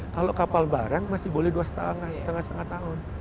kalau kapal barang masih boleh dua lima setengah tahun